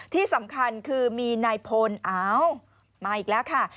ที่สำคัญคือมีนายพลอ้าวมาอีกแล้วค่ะ